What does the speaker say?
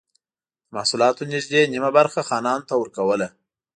د محصولاتو نږدې نییمه برخه خانانو ته ورکوله.